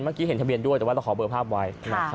เมื่อกี้เห็นทะเบียนด้วยแต่ว่าเราขอเบอร์ภาพไว้